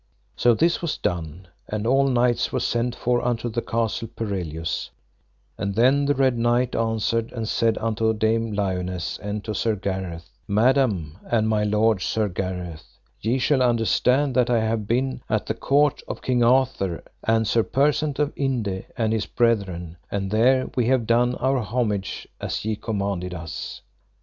So this was done, and all knights were sent for unto the Castle Perilous; and then the Red Knight answered and said unto Dame Lionesse, and to Sir Gareth, Madam, and my lord Sir Gareth, ye shall understand that I have been at the court of King Arthur, and Sir Persant of Inde and his brethren, and there we have done our homage as ye commanded us.